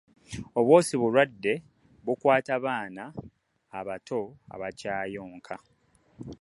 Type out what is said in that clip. Obwosi bulwadde bukwata baana abato abakyayonka.